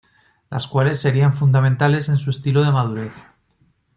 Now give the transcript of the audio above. Las cuales serían fundamentales en su estilo de madurez.